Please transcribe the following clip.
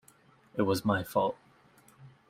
It was my fault.